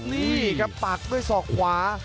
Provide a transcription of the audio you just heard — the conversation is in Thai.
นี่ครับปักด้วยศอกขวา